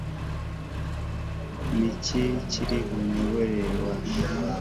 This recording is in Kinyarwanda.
Niki kiri kumuyoboro wa